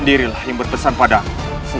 sendirilah yang berpesan padamu